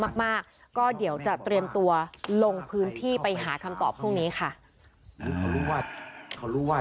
มากมากก็เดี๋ยวจะเตรียมตัวลงพื้นที่ไปหาคำตอบพรุ่งนี้ค่ะ